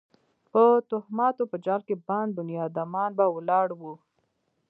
د توهماتو په جال کې بند بنیادمان به ولاړ وو.